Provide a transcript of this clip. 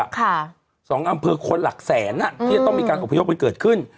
๒อำเภอคนหลักแสนที่จะต้องมีการอบพยพมันเกิดขึ้น